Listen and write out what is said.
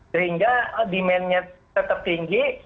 sehingga demandnya tetap tinggi